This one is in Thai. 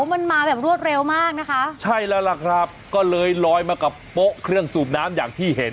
มันมาแบบรวดเร็วมากนะคะใช่แล้วล่ะครับก็เลยลอยมากับโป๊ะเครื่องสูบน้ำอย่างที่เห็น